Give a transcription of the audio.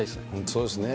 そうですね。